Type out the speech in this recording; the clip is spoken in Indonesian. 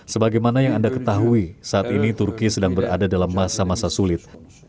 sebagaimana yang anda ketahui saat ini turki sedang berada dalam masa masa sulit